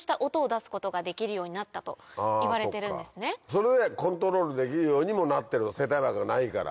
それでコントロールできるようにもなってるの声帯膜がないから。